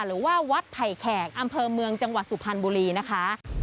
หรือว่าวัดไผ่แขกอำเภอเมืองจังหวัดสุพรรณบุรีนะคะ